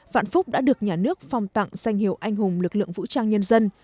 vạn phúc đã được nhà nước phong tặng danh hiệu anh hùng lực lượng vũ trang nhân dân